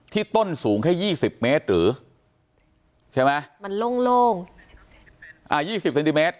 ที่ต้นสูงแค่ยี่สิบเมตรหรือใช่ไหมมันโล่งโล่งอ่ายี่สิบเซนติเมตร